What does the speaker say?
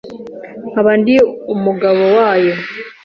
nkaba ndi umugabowayo